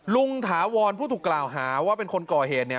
ถาวรผู้ถูกกล่าวหาว่าเป็นคนก่อเหตุเนี่ย